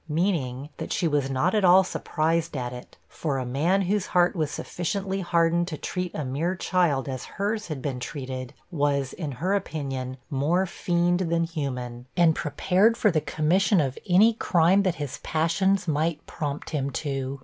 Meaning, that she was not at all surprised at it, for a man whose heart was sufficiently hardened to treat a mere child as hers had been treated, was, in her opinion, more fiend than human, and prepared for the commission of any crime that his passions might prompt him to.